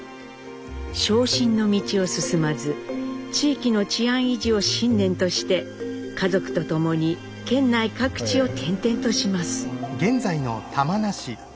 昇進の道を進まず地域の治安維持を信念として家族と共に県内各地を転々とします。